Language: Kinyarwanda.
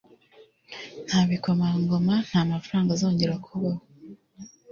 nta bikomangoma, nta mafaranga azongera kubaho